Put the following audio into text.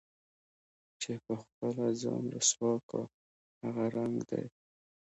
چې په خپله ځان رسوا كا هغه رنګ دے